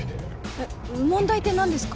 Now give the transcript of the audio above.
えっ問題って何ですか？